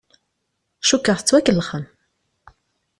Cukkeɣ tettwakellexem.